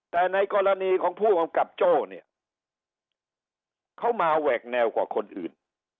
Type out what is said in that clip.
แต่ในกรณีของผู้กำกับโจ้เนี่ยเขามาแหวกแนวกว่าคนอื่น